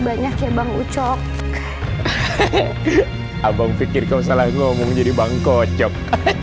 banyaknya bang ucok abang pikir kalau salah ngomong jadi bang kocok